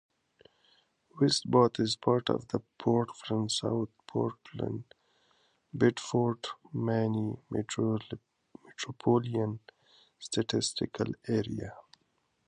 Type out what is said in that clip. West Bath is part of the Portland-South Portland-Biddeford, Maine metropolitan statistical area.